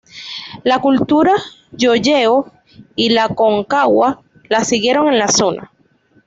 La cultura Llolleo y la Aconcagua la siguieron en la zona.